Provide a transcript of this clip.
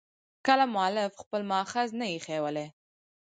کله مؤلف خپل مأخذ نه يي ښولى.